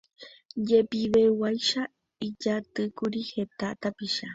Jepiveguáicha ijatýkuri heta tapicha